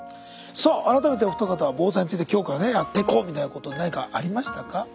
さあ改めてお二方防災について今日からねやっていこうみたいなこと何かありましたか？